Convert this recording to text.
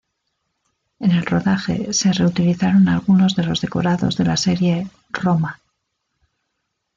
En el rodaje se reutilizaron algunos de los decorados de la serie "Roma".